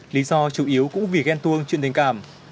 lý do chủ yếu cũng vì ghen tuông chuyện tình cảm